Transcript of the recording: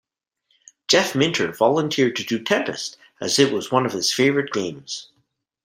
Jeff Minter volunteered to do "Tempest" as it was one of his favorite games.